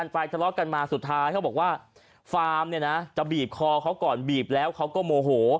ป้ายตะหรอกกันมาสุดท้ายเค้าบอกว่าฟาร์มเนี่ยนะจะบีบคอเค้าก่อนบีบแล้วเค้าก็โหม่โห